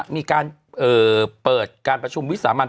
มีการเปิดการประชุมวิสามัน